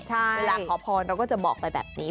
เวลาขอพรเราก็จะบอกไปแบบนี้